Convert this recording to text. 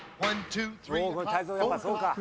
やっぱそうか。